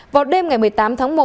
vào đêm ngày một mươi tám tháng một